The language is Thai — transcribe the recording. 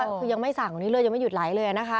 คือยังไม่สั่งนี้เลยยังไม่หยุดไหลเลยนะคะ